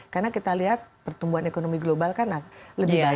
karena kita lihat pertumbuhan ekonomi global kan lebih baik